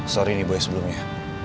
sorry nih gue sebelumnya